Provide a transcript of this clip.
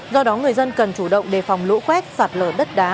do đó người dân cần chủ động đề phòng lũ quét sạt lở đất đá